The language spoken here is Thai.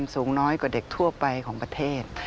สูงน้อยกว่าเด็กทั่วไปของประเทศ